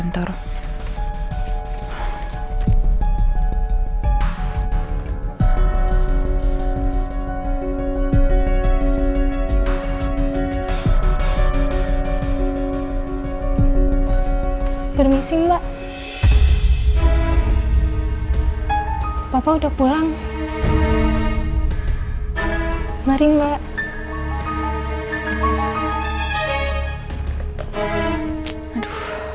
apa papa bakal marah ya